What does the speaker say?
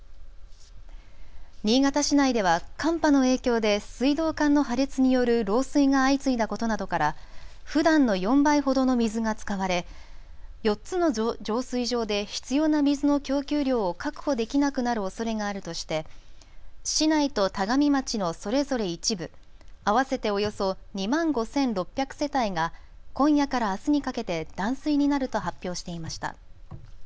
新潟市内では寒波の影響で水道管の破裂による漏水が相次いだことなどからふだんの４倍ほどの水が使われ４つの浄水場で必要な水の供給量を確保できなくなるおそれがあるとして市内と田上町のそれぞれ一部合わせておよそ２万５６００世帯が今夜からあすにかけて断水になると発表していました。